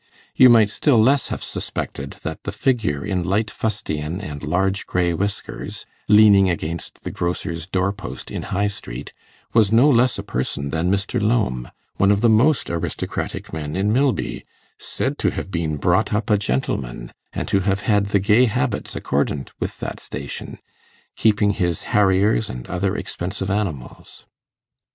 You might still less have suspected that the figure in light fustian and large grey whiskers, leaning against the grocer's door post in High Street, was no less a person than Mr. Lowme, one of the most aristocratic men in Milby, said to have been 'brought up a gentleman', and to have had the gay habits accordant with that station, keeping his harriers and other expensive animals.